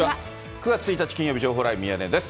９月１日金曜日、情報ライブ、ミヤネ屋です。